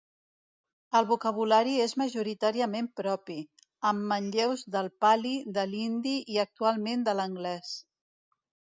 El vocabulari és majoritàriament propi, amb manlleus del pali, de l'hindi i actualment de l'anglès.